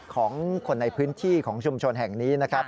ของคนในพื้นที่ของชุมชนแห่งนี้นะครับ